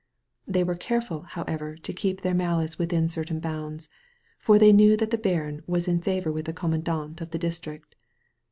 They were careful, however, to keep their malice within certain bounds, for they knew that the baron was in favor with the commandant of the district.